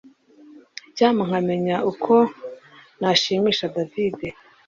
Icyampa nkamenya uko nashimisha David